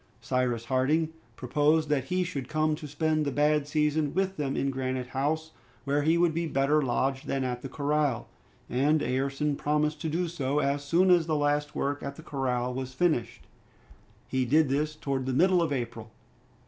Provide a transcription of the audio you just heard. Cyrus Harding proposed that he should come to spend the bad season with them in Granite House, where he would be better lodged than at the corral, and Ayrton promised to do so, as soon as the last work at the corral was finished. He did this towards the middle of April.